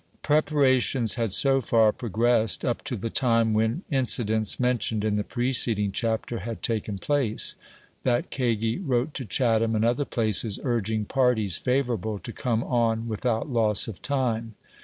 Preparations had so far progressed, up to the time when incidents mentioned in the preceding chapter had taken place, that Kagi wrote to Chatham and other places, urging parties 22 A VOICE FROM HARPER'S FERRY. favorable to come oh without loss of time.